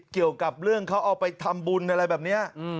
เกี่ยวกับเรื่องเขาเอาไปทำบุญอะไรแบบนี้